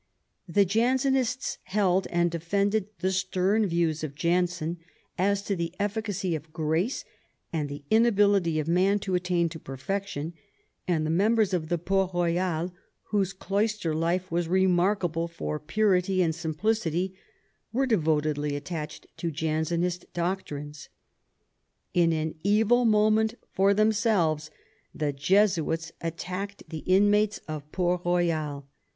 The Jansenists held and defended the stem views of Jansen as to the ejQficacy of grace and the inability of man to attain to perfection, and the members of Port Koyal, whose cloister life was remark able for purity and simplicity, were devotedly attached to Jansenist doctrines. In an evil moment for them selves the Jesuits attacked the inmates of Port Royal, 128 MAZARIN chap.